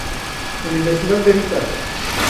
Universidad Veritas.